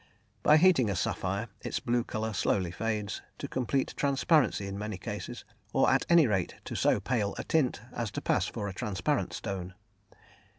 By heating a sapphire its blue colour slowly fades, to complete transparency in many cases, or at any rate to so pale a tint as to pass for a transparent stone.